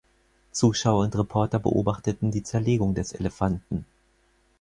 Zuschauer und Reporter beobachteten die Zerlegung des Elefanten.